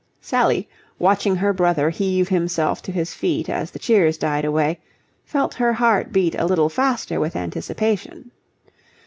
Sally, watching her brother heave himself to his feet as the cheers died away, felt her heart beat a little faster with anticipation.